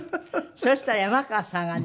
そしたら山川さんがね